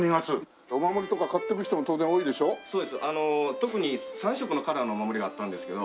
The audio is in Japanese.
特に３色のカラーのお守りがあったんですけど。